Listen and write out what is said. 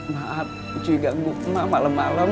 maaf ncuy ganggu mak malem malem